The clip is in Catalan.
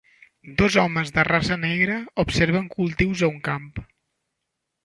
Dos homes de raça negra observen cultius a un camp.